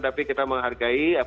tapi kita menghargai